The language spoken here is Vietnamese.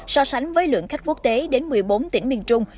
so sánh với lượng khách quốc tế đến một mươi bốn tỉnh miền trung